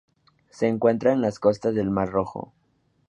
Se encuentra en las costas del Mar Rojo.